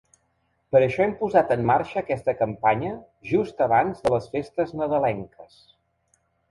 Per això hem posat en marxa aquesta campanya just abans de les festes nadalenques.